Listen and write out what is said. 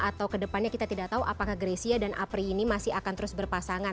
atau kedepannya kita tidak tahu apakah grecia dan apri ini masih akan terus berpasangan